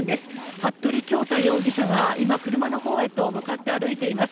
服部恭太容疑者が今、車のほうへと向かって歩いています。